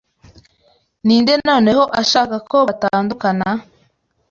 Ninde noneho ashaka ko batandukana